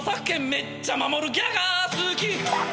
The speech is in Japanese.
「めっちゃ守るギャガー好き」